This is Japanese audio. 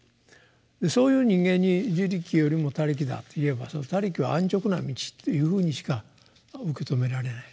でそういう人間に「自力」よりも「他力」だと言えば「他力」は安直な道っていうふうにしか受け止められない。